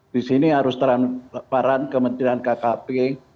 di sini harus transparan kementerian kkp